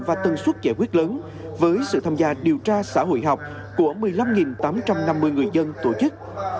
và tần suất giải quyết lớn với sự tham gia điều tra xã hội học của một mươi năm tám trăm năm mươi người dân tổ chức